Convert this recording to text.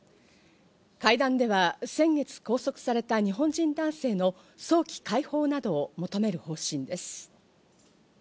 会談では、先月拘束された日本人男性の早期解放などを求める方針です。